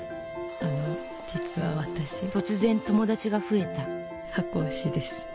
あの実は私突然友達が増えた箱推しです。